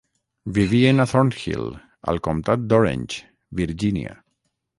Vivien a Thornhill al comtat d'Orange (Virgínia).